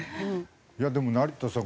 いやでも成田さん